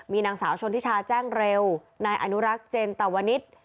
มีนางสาวชนทิชาแจ้งเร็วนายอนุรักษ์เจนตวนิษฐ์